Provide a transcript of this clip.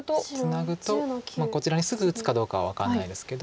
ツナぐとこちらにすぐ打つかどうかは分かんないですけど。